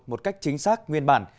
một cách chính xác nguyên bản